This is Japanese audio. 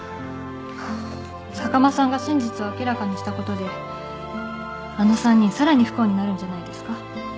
坂間さんが真実を明らかにしたことであの３人さらに不幸になるんじゃないですか。